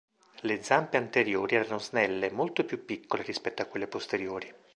Le zampe anteriori erano snelle, molto più piccole rispetto a quelle posteriori.